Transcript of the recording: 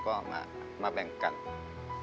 คุณหมอบอกว่าเอาไปพักฟื้นที่บ้านได้แล้ว